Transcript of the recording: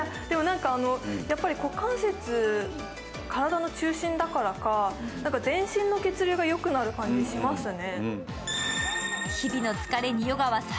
やっぱり股関節、体の中心だからか、全身の血流がよくなる感じがしますね。